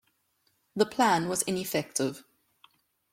The plan was ineffective.